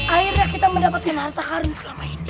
akhirnya kita mendapatkan harta harum selama ini